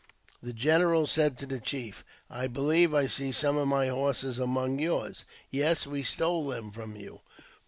The general said to the chief, " I believe I see some of my horses among yours." Yes, we stole them from you."